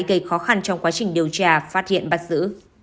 gây khó khăn trong quá trình điều tra phát hiện bắt giữ